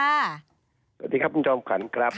สวัสดีครับคุณถ้องควัน